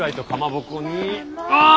かまぼこ！？